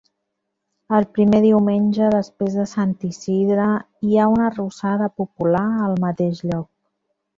El primer diumenge després de sant Isidre hi ha una arrossada popular al mateix lloc.